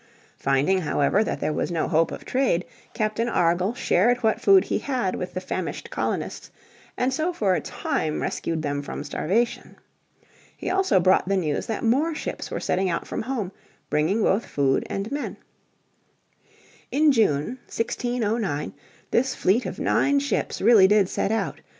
Finding, however, that there was no hope of trade Captain Argall shared what food he had with the famished colonists, and so for a time rescued them from starvation. He also brought the news that more ships were setting out from home bringing both food and men. In June, 1609, this fleet of nine ships really did set out.